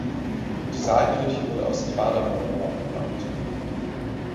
Die Saalkirche wurde aus Quadermauerwerk gebaut.